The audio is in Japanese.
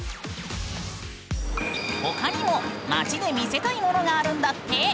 他にも街で見せたいものがあるんだって！